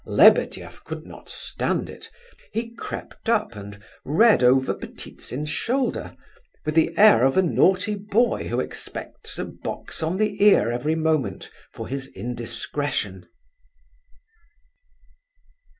Lebedeff could not stand it. He crept up and read over Ptitsin's shoulder, with the air of a naughty boy who expects a box on the ear every moment for his indiscretion.